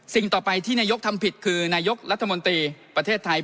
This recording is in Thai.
ต่อไปที่นายกทำผิดคือนายกรัฐมนตรีประเทศไทย